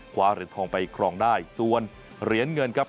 คว้าเหรียญทองไปครองได้ส่วนเหรียญเงินครับ